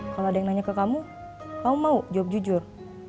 kalau ada yang nanya ke kamu kamu mau jawab jujur